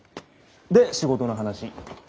で仕事の話。